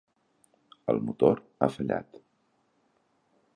El motor ha fallat.